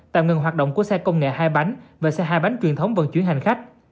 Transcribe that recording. tạm ngừng hoạt động của xe công nghệ hai bánh và xe hai bánh truyền thống vận chuyển hành khách